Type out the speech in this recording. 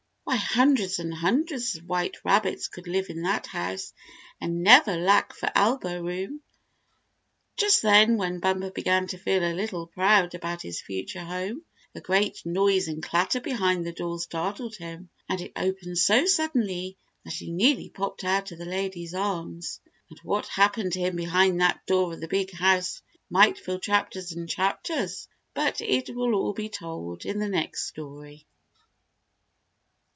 Why, hundreds and hundreds of white rabbits could live in that house and never lack for elbow room. Just then, when Bumper began to feel a little proud about his future home, a great noise and clatter behind the door startled him, and it opened so suddenly that he nearly popped out of the lady's arms. And what happened to him behind that door of the big house might fill chapters and chapters, but it will all be told in the next story.